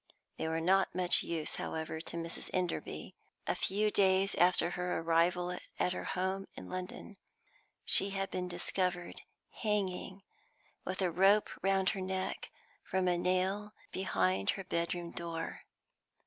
They were not much use, however, to Mrs. Enderby. A few days after her arrival at her home in London, she had been discovered hanging, with a rope round her neck, from a nail behind her bedroom door.